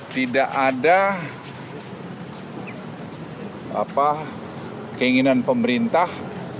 tidak ada keinginan pemerintah